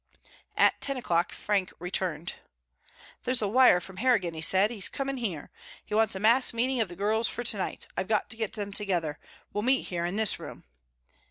At ten o'clock Frank returned. "There's a wire from Harrigan," he said. "He's coming here. He wants a mass meeting of the girls for to night. I've got to get them together. We'll meet here in this room."